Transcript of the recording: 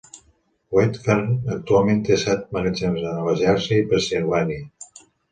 Wakefern actualment té set magatzems a Nova Jersey i Pennsilvània.